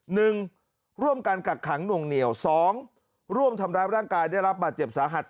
หนึ่งร่วมกันกักขังหน่วงเหนียวสองร่วมทำร้ายร่างกายได้รับบาดเจ็บสาหัส